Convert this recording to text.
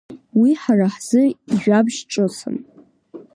Уи ҳара ҳзы ижәабжь ҿыцым!